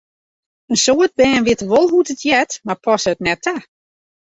In soad bern witte wol hoe't it heart, mar passe it net ta.